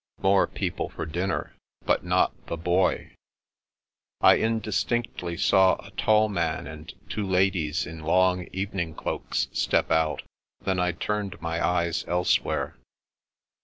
More people for dinner; but not the Boy. I indistinctly saw a tall man and two ladies in long evening cloaks step out; then I turned my eyes elsewhere.